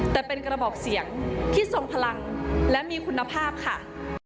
แต่เป็นกระบอกเสียงที่ทรงพลังและมีคุณภาพค่ะ